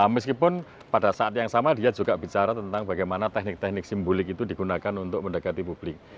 meskipun pada saat yang sama dia juga bicara tentang bagaimana teknik teknik simbolik itu digunakan untuk mendekati publik